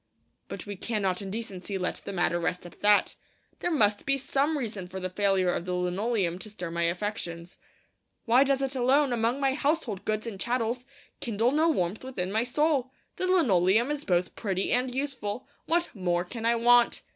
But we cannot in decency let the matter rest at that. There must be some reason for the failure of the linoleum to stir my affections. Why does it alone, among my household goods and chattels, kindle no warmth within my soul? The linoleum is both pretty and useful; what more can I want?